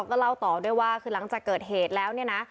ก็เล่าต่อด้วยว่าคือหลังจากเกิดเหตุแล้วเนี่ยนะ